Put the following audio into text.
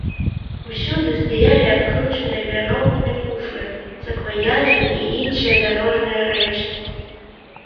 Усюды стаялі абкручаныя вяроўкамі куфры, сакваяжы і іншыя дарожныя рэчы.